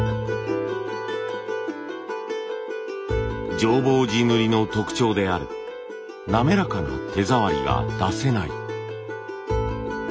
浄法寺塗の特徴である滑らかな手触りが出せない。